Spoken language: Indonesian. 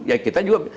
ya kita juga